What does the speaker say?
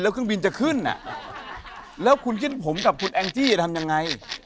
เครื่องบินจะขึ้นอ่ะแล้วคุณเช่นผมกับคุณแองจี้จะทำยังไง